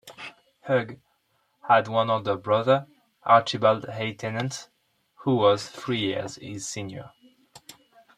Hugh had one older brother, Archibald Hay Tennent, who was three years his senior.